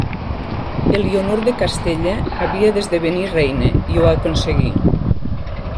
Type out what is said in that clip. Elionor de Castella havia d'esdevenir reina i ho aconseguí.